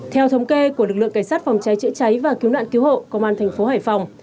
theo thống kê của lực lượng cảnh sát phòng cháy chữa cháy và cứu nạn cứu hộ công an thành phố hải phòng